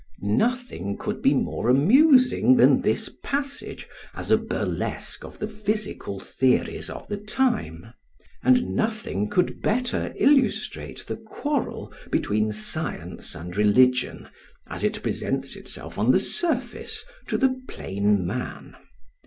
] Nothing could be more amusing than this passage as a burlesque of the physical theories of the time; and nothing could better illustrate the quarrel between science and religion, as it presents itself on the surface to the plain man.